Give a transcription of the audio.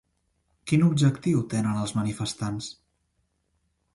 Quin objectiu tenen els manifestants?